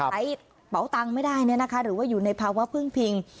เป๋าตังค์ไม่ได้หรือว่าอยู่ในภาวะพึ่งพิง